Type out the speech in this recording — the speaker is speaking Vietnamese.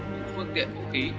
với phương tiện vũ khí